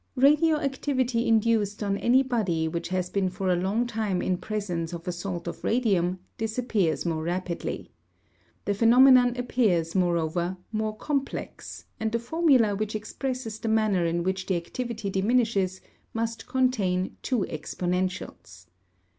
ED] Radioactivity induced on any body which has been for a long time in presence of a salt of radium disappears more rapidly. The phenomenon appears, moreover, more complex, and the formula which expresses the manner in which the activity diminishes must contain two exponentials.